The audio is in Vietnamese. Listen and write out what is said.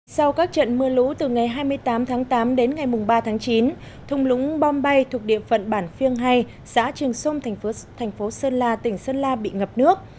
sau các trận mưa lũ từ ngày hai mươi tám tháng tám đến ngày ba tháng chín thùng lũng bom bay thuộc địa phận bản phiêng hai xã trường sung thành phố sơn la tỉnh sơn la bị ngập nước